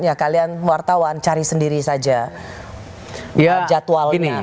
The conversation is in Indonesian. ya kalian wartawan cari sendiri saja jadwalnya